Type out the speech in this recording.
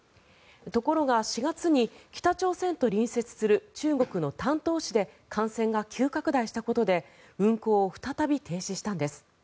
ところが、４月に北朝鮮と隣接する中国の丹東市で感染が急拡大したことで運行を再び停止したんです。